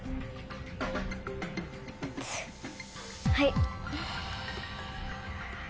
はい！